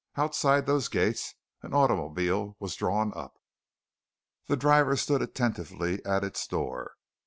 Outside those gates an automobile was drawn up; its driver stood attentively at its door.